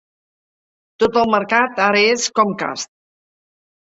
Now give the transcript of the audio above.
Tot el mercat ara és Comcast.